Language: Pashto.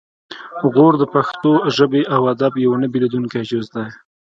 غور د پښتو ژبې او ادب یو نه بیلیدونکی جز دی